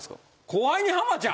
後輩に「浜ちゃん」？